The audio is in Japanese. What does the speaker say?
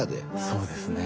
そうですね。